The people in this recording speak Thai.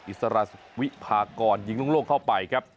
อิสระวิพากรยิงโล่งเข้าไปครับ